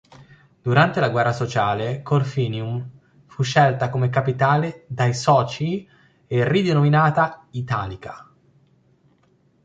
Durante la Guerra sociale Corfinium fu scelta come capitale dai "socii" e ridenominata "Italica".